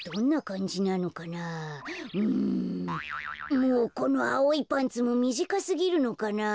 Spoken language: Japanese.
もうこのあおいパンツもみじかすぎるのかなあ。